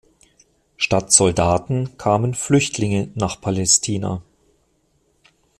Statt Soldaten kamen Flüchtlinge nach Palästina“.